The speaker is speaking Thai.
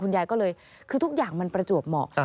ยายก็เลยคือทุกอย่างมันประจวบเหมาะ